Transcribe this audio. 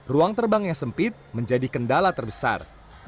ruang terbang yang sempit menjadi kendala terbesar